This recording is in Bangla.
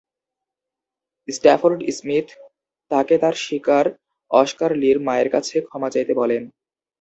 স্ট্যাফোর্ড স্মিথ তাকে তার শিকার অস্কার লির মায়ের কাছে ক্ষমা চাইতে বলেন।